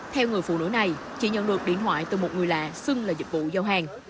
theo người phụ nữ này chị nhận được điện thoại từ một người lạ xưng là dịch vụ giao hàng